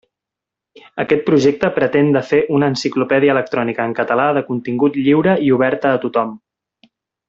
Aquest projecte pretén de fer una enciclopèdia electrònica en català de contingut lliure i oberta a tothom.